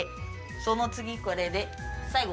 その次これで最後